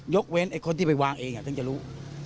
ยกเว้นคนที่ไปวางเองแทนจะรู้